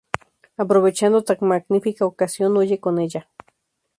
Aprovechando tan magnífica ocasión, huye con ella.